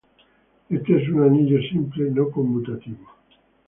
Este es un anillo simple no conmutativo.